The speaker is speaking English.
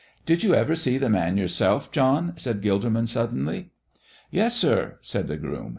"Did you ever see the Man yourself, John?" said Gilderman, suddenly. "Yes, sir," said the groom.